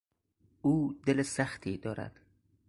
او دل سختی دارد.